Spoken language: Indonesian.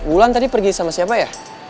wulan tadi pergi sama siapa ya